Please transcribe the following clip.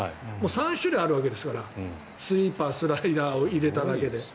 ３種類あるわけですからスイーパー、スライダーを入れただけで。